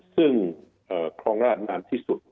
ซึ่งครองราชนานที่สุด